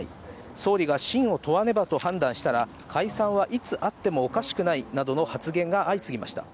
総理が信を問わねばと判断したら、解散はいつあってもおかしくないなどの発言が相次ぎました。